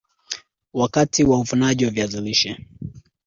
Wakati wa uvunaji wa viazi lishe